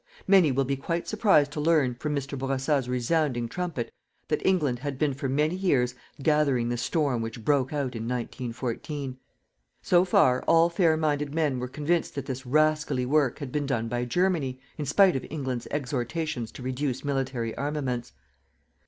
Many will be quite surprised to learn, from Mr. Bourassa's resounding trumpet, that England had been for many years gathering the storm which broke out in 1914. So far all fairminded men were convinced that this rascally work had been done by Germany, in spite of England's exhortations to reduce military armaments.